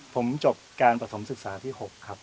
ผมจบการประถมศึกษาที่๖ครับ